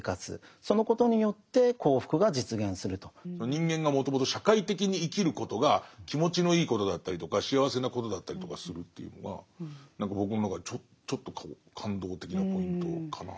人間がもともと社会的に生きることが気持ちのいいことだったりとか幸せなことだったりとかするというのが僕の中でちょっと感動的なポイントかな。